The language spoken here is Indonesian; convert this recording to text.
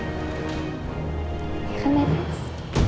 ya kan nenis